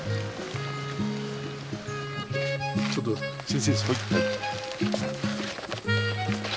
ちょっと先生。